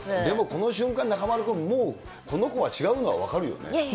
でもこの瞬間、中丸君、もうこの子は違うのは分かるよね。